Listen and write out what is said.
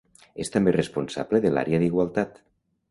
És també responsable de l'àrea d'igualtat.